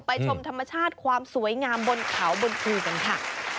ชมธรรมชาติความสวยงามบนเขาบนภูกันค่ะ